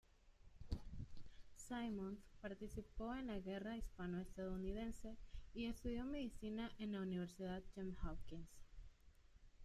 Simmons participó en la Guerra Hispano-Estadounidense, y estudió medicina en la Universidad Johns Hopkins.